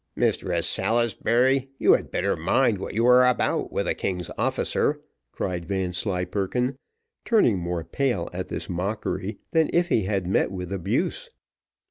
"Mistress Salisbury, you had better mind what you are about with a king's officer," cried Vanslyperken, turning more pale at this mockery, than if he had met with abuse.